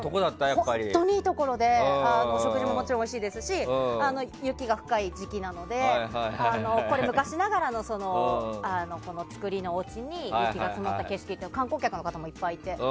本当にいいところで食事ももちろんおいしいですし雪が深い時期なので昔ながらのつくりのおうちに雪が積もった景色で観光客の方もいっぱいいて。